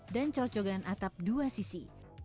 dan colcogan atap dua sisi